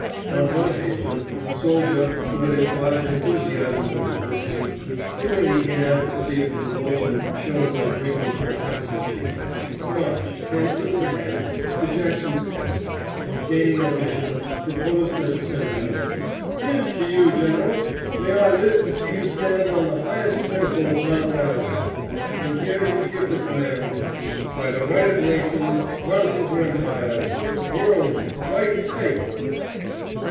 On one occasion, a soldier who had imbibed enthusiasm with his whisky, feeling the inadequacy of the devotion shown by drinking to an absent chief, marched, canteen in hand, to Jackson's tent, and gaining admission proposed as a sentiment, "Here's to you, general! May I live to see you stand on the highest pinnacle of Mount Ararat, and hear you give the command, 'By the right of nations front into empires, worlds, right face!'"